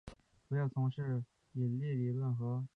主要从事引力理论和宇宙学研究。